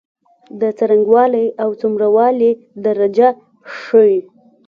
د څرنګوالی او څومره والي درجه ښيي.